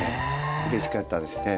うれしかったですね